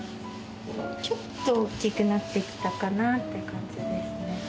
ちょっとおっきくなってきたかなって感じですね。